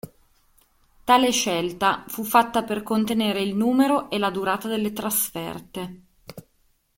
Tale scelta fu fatta per contenere il numero e la durata delle trasferte.